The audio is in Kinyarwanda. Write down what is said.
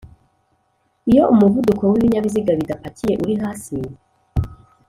iyo umuvuduko w'ibinyabiziga bidapakiye uri hasi